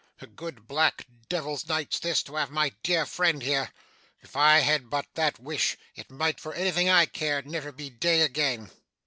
A good, black, devil's night this, to have my dear friend here! If I had but that wish, it might, for anything I cared, never be day again.